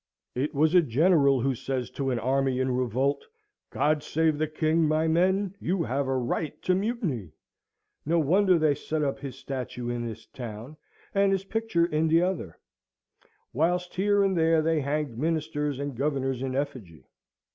It was a general who says to an army in revolt, "God save the king! My men, you have a right to mutiny!" No wonder they set up his statue in this town, and his picture in t'other; whilst here and there they hanged Ministers and Governors in effigy.